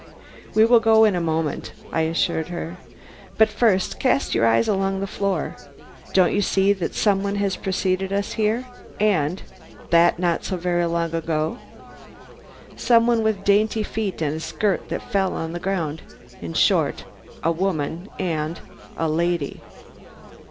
"We will go in a moment," I assured her; "but, first, cast your eyes along the floor. Don't you see that some one has preceded us here; and that not so very long ago? Some one with dainty feet and a skirt that fell on the ground; in short, a woman and a lady!"